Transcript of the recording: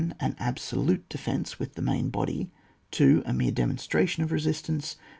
An absolute defence with the main body. 2. A mere demonstration of resistance. 8.